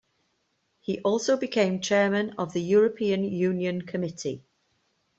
He also became Chairman of the European Union Committee.